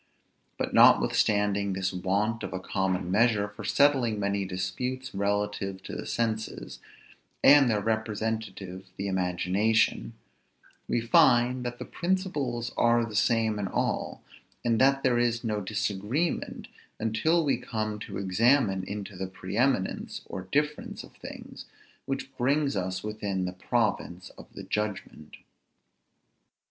But notwithstanding this want of a common measure for settling many disputes relative to the senses, and their representative the imagination, we find that the principles are the same in all, and that there is no disagreement until we come to examine into the pre eminence or difference of things, which brings us within the province of the judgment.